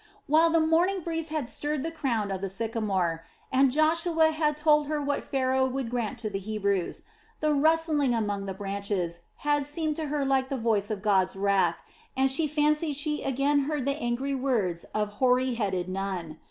While the morning breeze had stirred the crown of the sycamore and Joshua had told her what Pharaoh would grant to the Hebrews, the rustling among the branches had seemed to her like the voice of God's wrath and she fancied she again heard the angry words of hoary headed Nun.